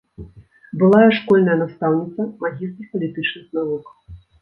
Былая школьная настаўніца, магістр палітычных навук.